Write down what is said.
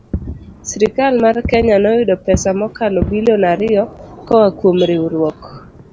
Sirkal mar Kenya noyudo pesa mokalo bilion ariyo koa kuom riwruok